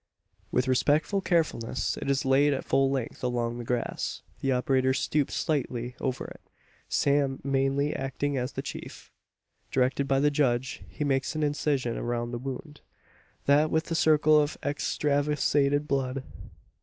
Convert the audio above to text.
With respectful carefulness it is laid at full length along the grass. The operators stoop silently over it Sam Manly acting as the chief. Directed by the judge, he makes an incision around the wound that with the circle of extravasated blood.